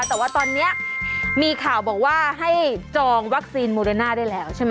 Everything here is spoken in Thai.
แต่ว่าตอนนี้มีข่าวบอกว่าให้จองวัคซีนโมโรนาได้แล้วใช่ไหม